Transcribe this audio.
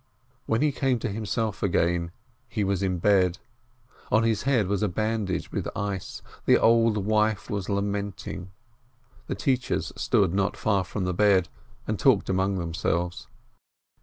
When he came to himself again, he was in bed; on his head was a bandage with ice; the old wife was lamenting; the teachers stood not far from the bed, and talked among themselves.